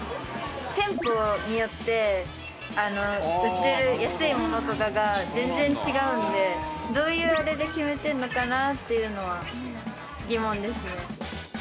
店舗によって売ってる安いものとかが全然違うのでどういうあれで決めてるのかな？っていうのは疑問ですね。